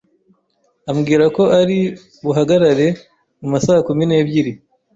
ambwira ko ari buhagere mu masakumi nebyiri.